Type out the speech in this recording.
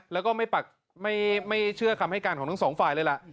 แล้วก็ไม่เชื่อคำให้การของทั้งสองฝ่ายเลยล่ะ